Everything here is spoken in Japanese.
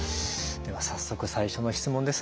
では早速最初の質問です。